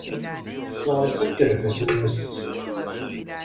Tesseɣres akerbas-nnes.